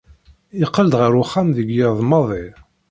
Yeqqel-d ɣer uxxam deg yiḍ maḍi.